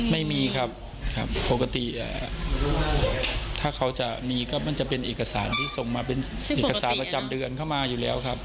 ไม่มีครับครับปกติถ้าเขาจะมีก็มันจะเป็นเอกสารที่ส่งมาเป็นเอกสารประจำเดือนเข้ามาอยู่แล้วครับ